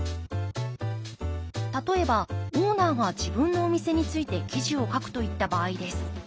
例えばオーナーが自分のお店について記事を書くといった場合です。